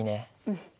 うん。